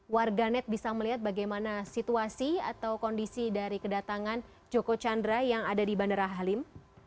warga net bisa melihat bagaimana situasi atau kondisi dari kedatangan joko chandra yang ada di bandara halim